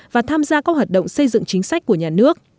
và tham gia các hoạt động xây dựng chính sách của nhà nước